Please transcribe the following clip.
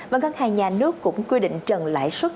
và ngân hàng nhà nước cũng quy định trần lãi suất